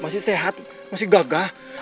masih sehat masih gagah